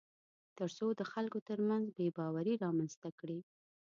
تر څو د خلکو ترمنځ بېباوري رامنځته کړي